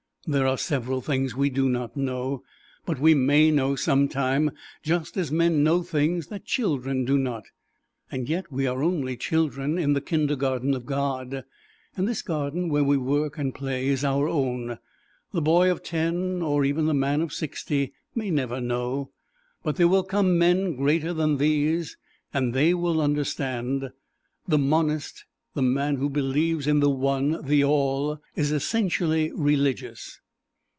There are several things we do not know, but we may know some time, just as men know things that children do not. And yet we are only children in the kindergarten of God. And this garden where we work and play is our own. The boy of ten, or even the man of sixty, may never know, but there will come men greater than these and they will understand. The Monist, the man who believes in the One the All is essentially religious.